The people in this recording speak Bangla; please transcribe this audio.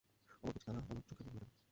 অবাক হচ্ছি, তারা আমার চোখে পড়ল না কেন।